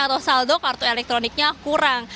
atau saldo kartu elektroniknya kurang